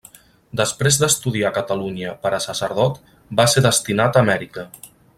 Després d'estudiar a Catalunya per a sacerdot va ser destinat a Amèrica.